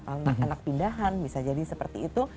anak anak pindahan bisa jadi seperti itu